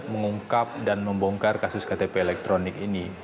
mengungkap dan membongkar kasus ktp elektronik ini